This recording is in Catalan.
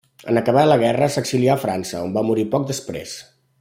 En acabar la guerra s'exilià a França, on va morir poc després.